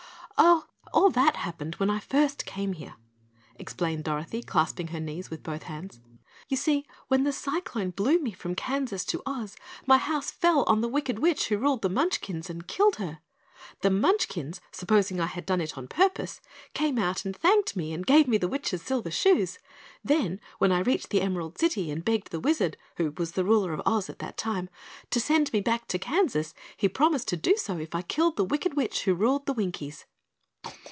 "Oh, all that happened when I first came here," explained Dorothy, clasping her knees with both hands. "You see, when the cyclone blew me from Kansas to Oz, my house fell on the wicked witch who ruled the Munchkins and killed her. The Munchkins, supposing I had done it on purpose, came out and thanked me and gave me the witch's silver shoes. Then, when I reached the Emerald City and begged the Wizard, who was ruler of Oz at that time, to send me back to Kansas, he promised to do so if I killed the wicked witch who ruled the Winkies."